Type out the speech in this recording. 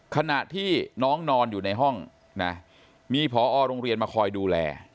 ขณะที่น้องนอนอยู่ในห้องนะมีพอโรงเรียนมาคอยดูแล